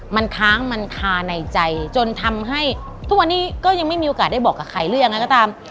มันค้างมันคาในใจจนทำให้ทุกวันนี้ก็ยังไม่มีโอกาสได้บอกกับใครหรือยังไงก็ตาม